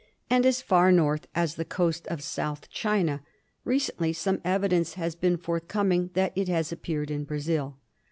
II and as far north as the coast of South China. Recently some evidence has been forthcoming that it has appeared in Brazil.